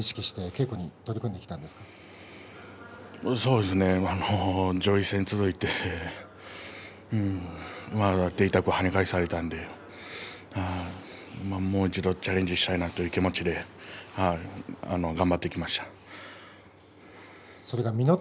そうですね上位戦が続いて手痛く跳ね返されたのでもう一度チャレンジしたいなという気持ちで頑張ってきました。